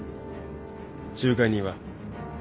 仲介人は？